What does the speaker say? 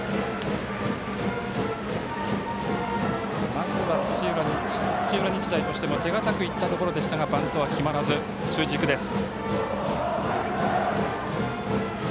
まず土浦日大としても手堅く行ったところでしたがバントは決まらず、中軸です。